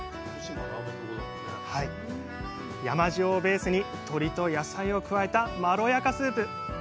山塩をベースに鶏と野菜を加えたまろやかスープ。